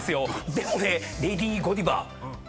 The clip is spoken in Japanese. でもねレディ・ゴディバ。